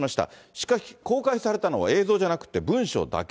しかし公開されたのは映像じゃなくって文書だけ。